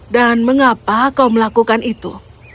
dan mengapa kau melakukan itu